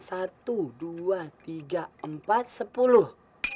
satu dua tiga empat sepuluh